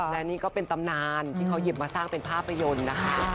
และนี่ก็เป็นตำนานที่เขาหยิบมาสร้างเป็นภาพยนตร์นะคะ